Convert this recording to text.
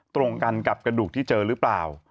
ตรงกันกับกระดูกที่เจอหรือเปล่า